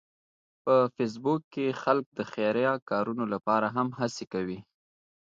په فېسبوک کې خلک د خیریه کارونو لپاره هم هڅې کوي